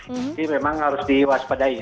jadi memang harus diwaspadai